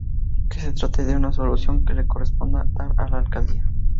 Que se trate de una solución que le corresponda dar a la Alcaldía.